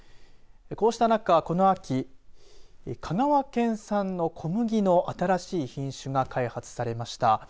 こうした中、この秋香川県産の小麦の新しい品種が開発されました。